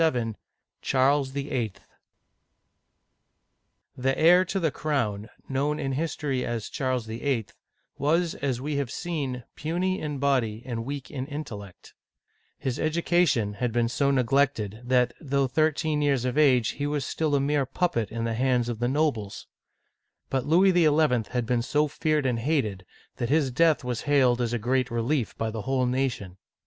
LVIL CHARLES VIIL THE heir to the crown, known in history as Charles VHL, was, as we have seen, puny in body and weak in intellect. His education had been so neglected that al Digitized by Google CHARLES VIII. (1483 1498) 213 though thirteen years of age he was still a mere puppet in the hands of the nobles. But Louis XL had been so feared and hated, that his death was hailed as a great relief by the whole nation.